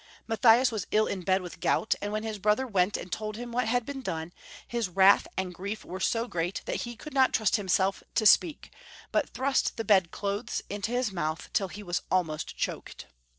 Matthias was ill in bed with gout, and when his brother went and told Rudolf II. 82T Mm what had been done, his ^vrath and grief were 80 great that he could not trust himself to speak, but thrust the bed clothes into his mouth till he was almost choked.